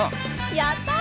やったあ！